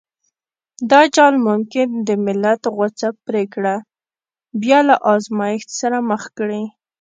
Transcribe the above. دا جال ممکن د ملت غوڅه پرېکړه بيا له ازمایښت سره مخ کړي.